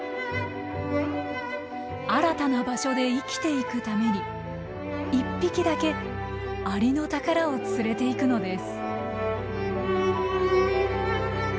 新たな場所で生きていくために１匹だけアリノタカラを連れていくのです。